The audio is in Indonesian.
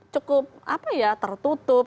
cukup apa ya tertutup